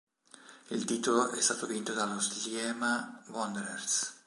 Il titolo è stato vinto dallo Sliema Wanderers